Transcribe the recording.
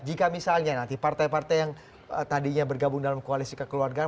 jika misalnya nanti partai partai yang tadinya bergabung dalam koalisi kekeluargaan